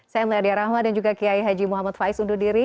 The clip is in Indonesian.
saya meladia rahma dan juga kiai haji muhammad faiz undur diri